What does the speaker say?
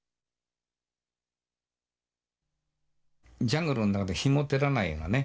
ジャングルの中で日も照らないようなね